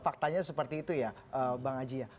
faktanya seperti itu ya bang aji ya